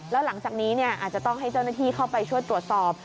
แล้วหลังจากนี้อาจจะต้องให้เจ้าหน้าที่เข้าไปช่วยตรวจสอบ